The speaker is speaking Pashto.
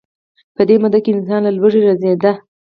په دې موده کې انسان له لوږې رنځیده.